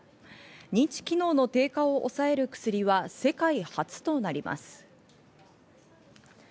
認知機能の低下を抑える薬は世界初となります。